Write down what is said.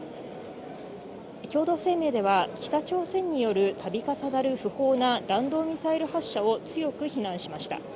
共同声明では、北朝鮮によるたび重なる不法な弾道ミサイル発射を強く非難しました。